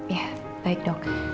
ya baik dok